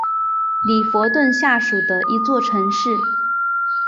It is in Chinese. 里弗顿下属的一座城市。